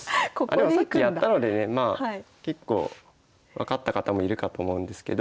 あでもさっきやったのでね結構分かった方もいるかと思うんですけど。